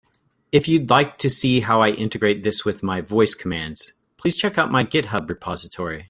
If you'd like to see how I integrate this with my voice commands, please check out my GitHub repository.